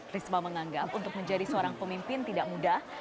risma menganggap untuk menjadi seorang pemimpin tidak mudah